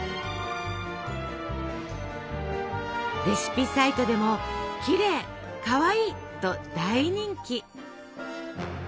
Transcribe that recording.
レシピサイトでも「キレイ！」「かわいい！」と大人気。